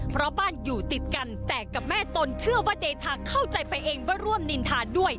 เพราะบ้านอยู่ติดกันแต่กับแม่ตนเชื่อว่าเดชาเข้าใจไปเองว่าร่วมนินทาด้วย